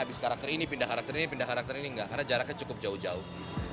habis karakter ini pindah karakter ini pindah karakter ini enggak karena jaraknya cukup jauh jauh